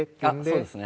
そうですね